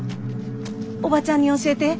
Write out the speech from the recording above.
おばちゃんに教えて。